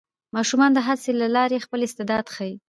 ماشومان د هڅونې له لارې خپل استعداد ښيي